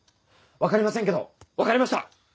分かりませんけど分かりました！